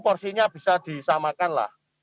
porsinya bisa disamakanlah